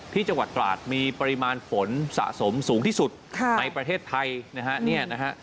ที่จังหวัดตราดมีปริมาณฝนสะสมสูงที่สุดในประเทศไทยนะฮะเนี่ยนะฮะ